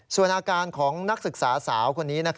ส่วนอาการของนักศึกษาสาวคนนี้